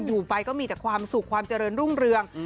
อยู่ไปก็มีแต่ความสุขความเจริญรุ่งเรือง